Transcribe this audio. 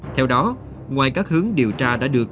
theo đó ngoài các hướng điều tra đã được